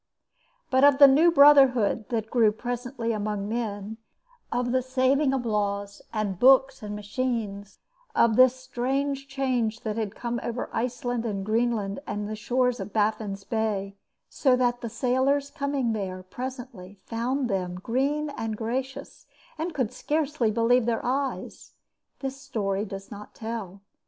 But of the new brotherhood that grew presently among men, of the saving of laws and books and machines, of the strange change that had come over Iceland and Greenland and the shores of Baffin's Bay, so that the sailors coming there presently found them green and gracious, and could scarce believe their eyes, this story does not tell.